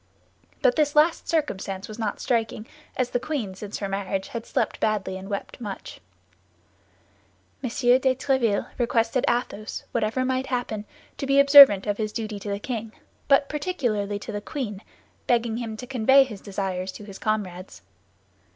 But this last circumstance was not striking, as the queen since her marriage had slept badly and wept much. M. de Tréville requested Athos, whatever might happen, to be observant of his duty to the king, but particularly to the queen, begging him to convey his desires to his comrades.